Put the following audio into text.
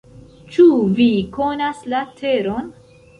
Ĉu vi konas la teron?